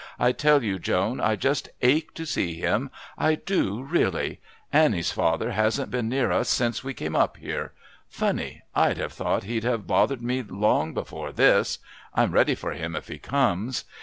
I tell you, Joan, I just ache to see him. I do really. Annie's father hasn't been near us since we came up here. Funny! I'd have thought he'd have bothered me long before this. I'm ready for him if he comes.